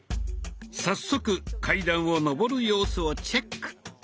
早速階段を上る様子をチェック。